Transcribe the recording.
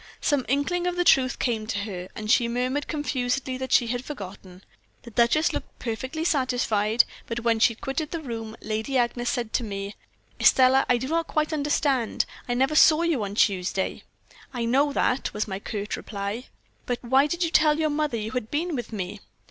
"Some inkling of the truth came to her, and she murmured confusedly that she had forgotten. The duchess looked perfectly satisfied; but when she had quitted the room, Lady Agnes said to me: "'Estelle, I do not quite understand; I never saw you on Tuesday.' "'I know that,' was my curt reply. "'Then why did you tell your mother you had been with me?'